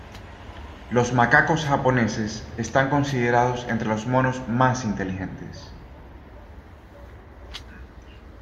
Los macacos japoneses están considerados entre los monos más inteligentes.